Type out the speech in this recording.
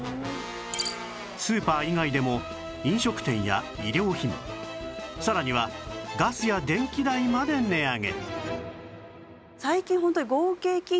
スーパー以外でも飲食店や衣料品さらにはガスや電気代まで値上げ